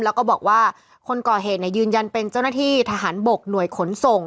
แล้วก็บอกว่าคนก่อเหตุยืนยันเป็นเจ้าหน้าที่ทหารบกหน่วยขนส่ง